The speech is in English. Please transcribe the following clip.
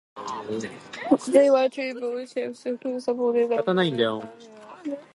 They were tribal chiefs who subordinates of the Western Chalukyas.